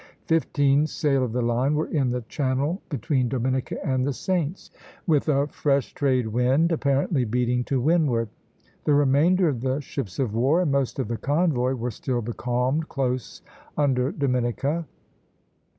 Fifteen sail of the line were in the channel between Dominica and the Saints, with a fresh trade wind, apparently beating to windward; the remainder of the ships of war and most of the convoy were still becalmed close under Dominica (Plate XX.